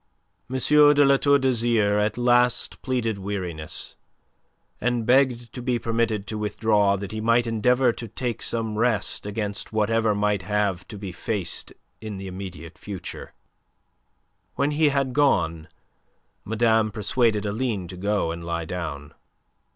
M. de La Tour d'Azyr at last pleaded weariness, and begged to be permitted to withdraw that he might endeavour to take some rest against whatever might have to be faced in the immediate future. When he had gone, madame persuaded Aline to go and lie down.